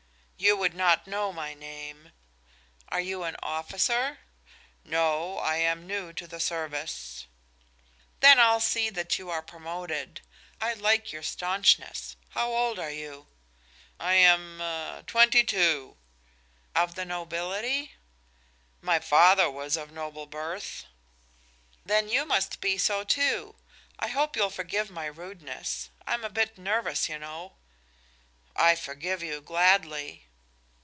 "You would not know me by name." "Are you an officer?" "No; I am new to the service." "Then I'll see that you are promoted. I like your staunchness. How old are you?" "I am er twenty two." "Of the nobility?" "My father was of noble birth." "Then you must be so, too. I hope you'll forgive my rudeness. I'm a bit nervous, you know." "I forgive you gladly."